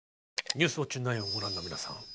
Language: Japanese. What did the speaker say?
「ニュースウオッチ９」をご覧の皆さん